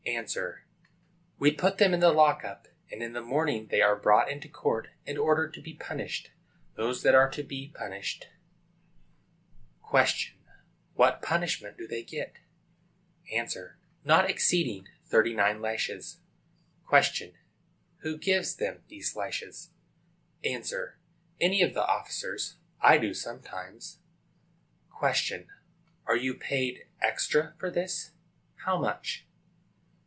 A. We put them in the lock up, and in the morning they are brought into court and ordered to be punished,—those that are to be punished. Q. What punishment do they get? A. Not exceeding thirty nine lashes. Q. Who gives them these lashes? A. Any of the officers. I do, sometimes. Q. Are you paid extra for this? How much?